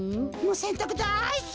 せんたくだいすき。